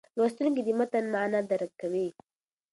لوستونکی د متن معنا درک کوي.